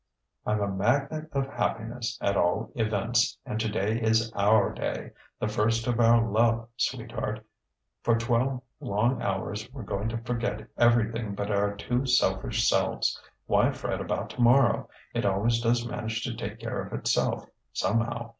"I'm a magnate of happiness, at all events: and today is our day, the first of our love, sweetheart. For twelve long hours we're going to forget everything but our two selfish selves. Why fret about tomorrow? It always does manage to take care of itself, somehow.